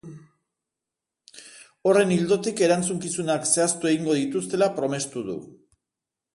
Horren ildotik, erantzukizunak zehaztu egingo dituztela promestu du.